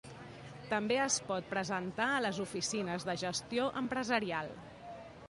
També es pot presentar a les oficines de gestió empresarial.